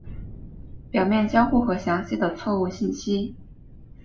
表面交互和详细的错误信息。